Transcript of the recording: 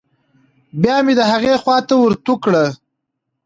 بيا مې د هغې خوا ته ورتو کړې.